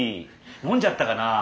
飲んじゃったかなぁ。